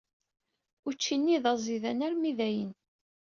Ucci-nni d aẓidan armi dayen.